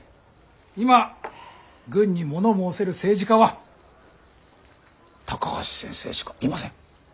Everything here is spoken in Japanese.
今軍に物申せる政治家は高橋先生しかいません。